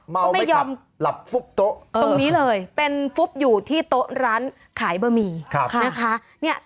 ไม่ยอมหลับฟุบโต๊ะตรงนี้เลยเป็นฟุบอยู่ที่โต๊ะร้านขายบะหมี่นะคะ